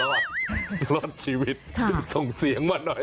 ยังรอดชีวิตส่งเสียงมาหน่อย